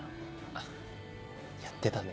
あぁやってたね。